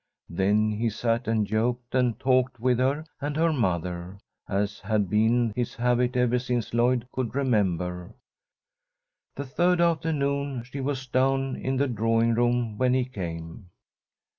Then he sat and joked and talked with her and her mother, as had been his habit ever since Lloyd could remember. The third afternoon she was down in the drawing room when he came.